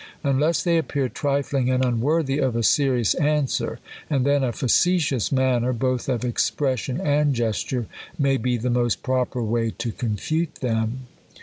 Unless they appear trifling and un worthy of a serious answer ; and then a facetious man ner, both of expression and gesture, may be the most proper way to confute them.